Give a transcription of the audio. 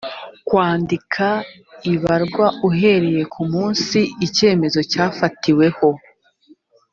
kwandika ibarwa uhereye ku munsi icyemezo cyafatiweho